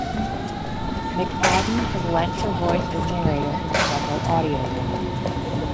McFadden has lent her voice as narrator in several audio books.